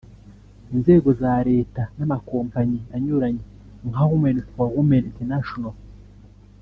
inzego za Leta n’amakompanyi anyuranye nka Women for Women International